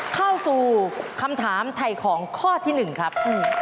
เข้าสู่คำถามถ่ายของข้อที่หนึ่งครับ